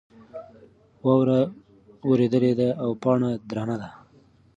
واوره ورېدلې ده او پاڼه درنه ده.